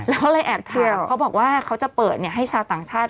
เราเลยแอบถามเขาบอกว่าเขาจะเปิดให้ชาวต่างชาติ